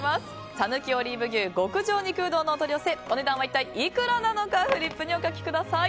讃岐オリーブ牛極上肉うどんのお取り寄せお値段は一体いくらなのかフリップにお書きください。